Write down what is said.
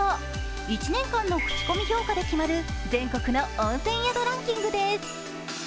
１年間の口コミ評価で決まる全国の温泉宿ランキングです。